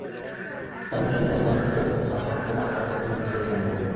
তাদের সেই তালিকা অনুযায়ী মাঝেমধ্যেই আমরা যৌথ অভিযান পরিচালনা করে থাকি।